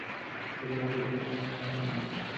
په دې باغ کې ډول ډول رنګارنګ ګلان شته.